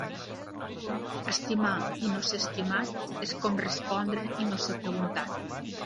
Estimar i no ser estimat és com respondre i no ser preguntat.